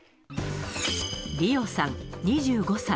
リオさん２５歳。